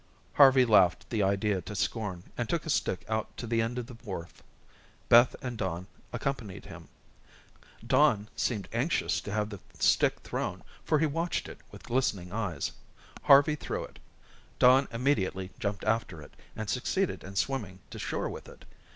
Harvey laughed the idea to scorn, and took a stick out to the end of the wharf. Beth and Don accompanied him. Don seemed anxious to have the stick thrown, for he watched it with glistening eyes. Harvey threw it. Don immediately jumped after it, and succeeded in swimming to shore with it.